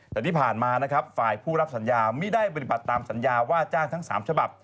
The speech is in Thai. แต่ที่ผ่านมานะครับฝ่ายผู้รับสัญญาไม่ได้ปฏิบัติตามสัญญาว่าจ้างทั้ง๓ฉบับ